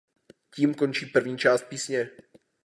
Tím končí první část písně.